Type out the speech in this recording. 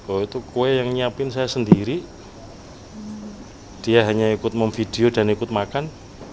oh itu kue yang nyiapin saya sendiri dia hanya ikut memvideo dan ikut makan